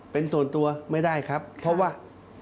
เป็นส่วนตัวไม่ได้ครับเพราะว่า